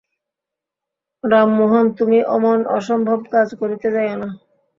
রামমােহন তুমি অমন অসম্ভব কাজ করিতে যাইও না।